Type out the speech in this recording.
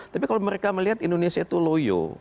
tapi kalau mereka melihat indonesia itu loyo